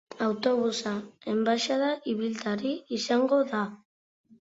Autobusa enbaxada ibiltari izango da.